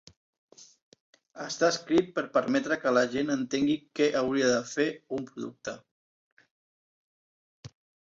Està escrit per permetre que la gent entengui "què" hauria de fer un producte.